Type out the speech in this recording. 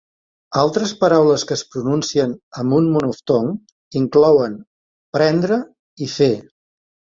Altres paraules que es pronuncien amb un monoftong inclouen: prendre i fer.